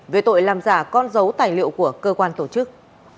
về tội làm giả con dấu tài liệu của cơ quan tổ chức